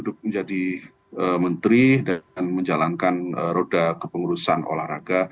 untuk menjadi menteri dan menjalankan roda kepengurusan olahraga